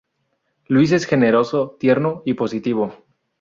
Luis es generoso, tierno y positivo.